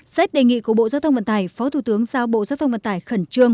xét đề nghị của bộ giao thông vận tải phó thủ tướng giao bộ giao thông vận tải khẩn trương